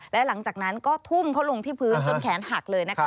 และหลังจากนั้นก็ทุ่มเขาลงที่พื้นจนแขนหักเลยนะคะ